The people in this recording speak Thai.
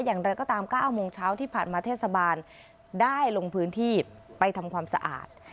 อย่างไรก็ตาม๙โมงเช้าที่ผ่านมาเทศบาลได้ลงพื้นที่ไปทำความสะอาด